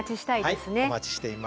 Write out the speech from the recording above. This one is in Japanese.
はいお待ちしています。